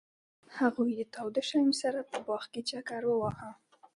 هغوی د تاوده شمیم سره په باغ کې چکر وواهه.